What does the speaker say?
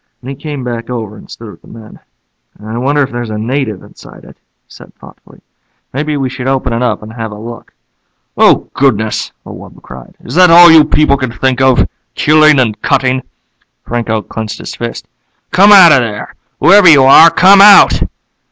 Then he came back over and stood with the men. "I wonder if there's a native inside it," he said thoughtfully. "Maybe we should open it up and have a look." "Oh, goodness!" the wub cried. "Is that all you people can think of, killing and cutting?" Franco clenched his fists. "Come out of there! Whoever you are, come out!"